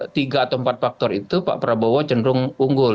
tiga atau empat faktor itu pak prabowo cenderung unggul